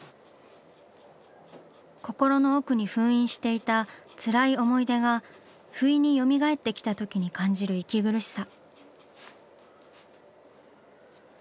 心の奥に封印していたつらい思い出が不意によみがえってきたときに感じる息苦しさ。